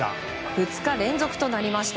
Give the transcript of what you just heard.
２日連続となりました。